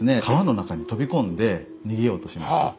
川の中に飛び込んで逃げようとします。